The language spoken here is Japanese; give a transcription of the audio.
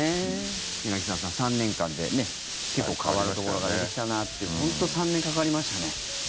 柳澤さん、３年間でね結構変わるところが出てきたなっていう本当３年かかりましたね。